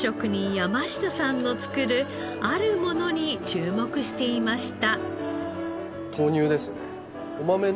山下さんの作るあるものに注目していました。